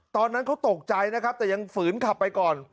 ตอนนั้นเขาตกใจนะครับแต่ยังฝืนขับไปก่อน